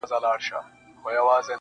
o انتظار به د سهار کوو تر کومه,